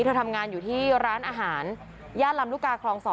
เธอทำงานอยู่ที่ร้านอาหารย่านลำลูกกาคลอง๒